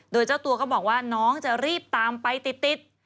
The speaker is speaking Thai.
โดยเจ้าตัวก็บอกว่าน้องจะรีบตามไปติด